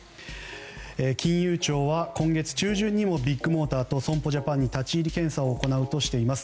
金融庁は今月中旬にもビッグモーターと損保ジャパンに立ち入り検査を行うとしています。